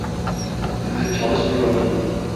Siz hiç çalışmıyorsunuz?